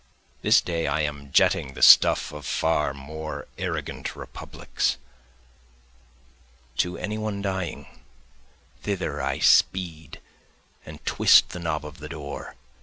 (This day I am jetting the stuff of far more arrogant republics.) To any one dying, thither I speed and twist the knob of the door.